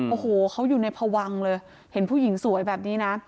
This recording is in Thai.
โอ้โหเขาอยู่ในพวังเลยเห็นผู้หญิงสวยแบบนี้นะ